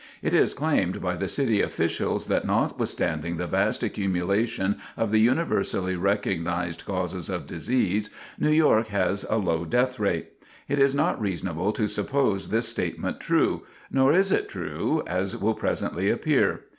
It is claimed by the city officials that notwithstanding the vast accumulation of the universally recognized causes of disease, New York has a low death rate. It is not reasonable to suppose this statement true, nor is it true, as will presently appear.